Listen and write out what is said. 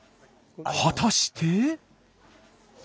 果たして。